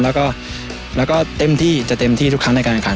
แล้วก็เต็มที่จะเต็มที่ทุกครั้งในการแข่งขัน